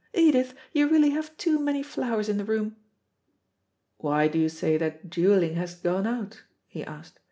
Edith, you really have too many flowers in the room." "Why do you say that duelling has done out?" he asked.